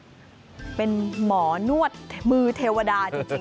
เป็นหมอนวดมือเทวดาจริง